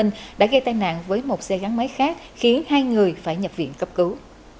nặng với một xe gắn máy khác khiến hai người phải nhập viện cấp cứu